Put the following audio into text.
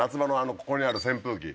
ここにある扇風機。